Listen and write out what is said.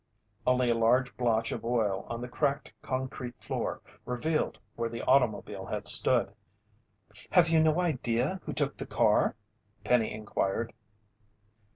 Only a large blotch of oil on the cracked concrete floor revealed where the automobile had stood. "Have you no idea who took the car?" Penny inquired.